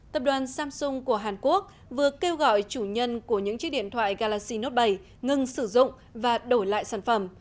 tập đoàn samsung của hàn quốc vừa kêu gọi chủ nhân của những chiếc điện thoại galaxy note bảy ngừng sử dụng và đổi lại sản phẩm